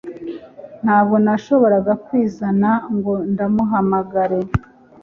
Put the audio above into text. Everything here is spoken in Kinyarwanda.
Ntabwo nashoboraga kwizana ngo ndamuhamagare.